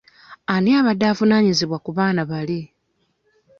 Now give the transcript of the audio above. Ani abadde avunaanyizibwa ku baana bali?